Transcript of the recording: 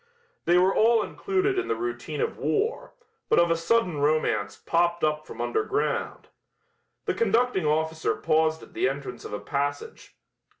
They were all included in the routine of war, but of a sudden romance popped up from underground. The conducting officer paused at the entrance of a passage.